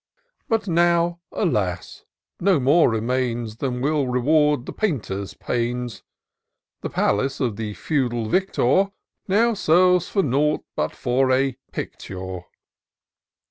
But now, alas! no more remains Than will reward the painter's pains : The palace of the feudal victor Now serves for nought but for a picture.